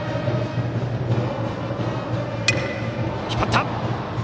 引っ張った！